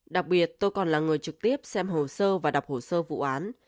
đặc biệt tôi còn là người trực tiếp xem hồ sơ và đọc hồ sơ vụ án